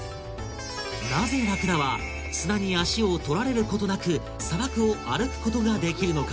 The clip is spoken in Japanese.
なぜラクダは砂に足を取られることなく砂漠を歩くことができるのか？